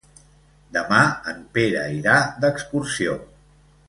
Demà en Pere irà d'excursió.